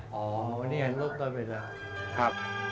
อ๋อวันนี้ใช่ก็เวลา